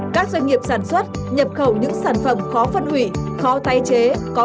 các doanh nghiệp sản xuất nhập khẩu những sản phẩm khó phân hủy khó tay chế